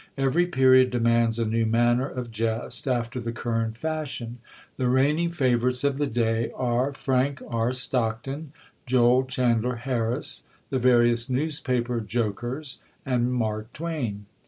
Every period demands a new manner of jest, after the current fashion.... The reigning favourites of the day are Frank R. Stockton, Joel Chandler Harris, the various newspaper jokers, and 'Mark Twain.'